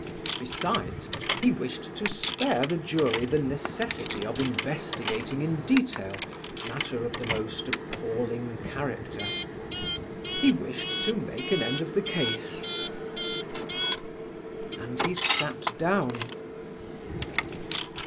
Besides, he wished to spare the jury the necessity of investigating in detail matter of the most appalling character. He wished to make an end of the case and he sat down.